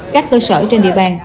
các cơ sở trên địa bàn